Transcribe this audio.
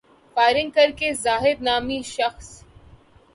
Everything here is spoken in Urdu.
فائرنگ کر کے زاہد نامی شخص